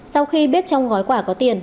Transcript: sau khi biết trong gói quả có tiền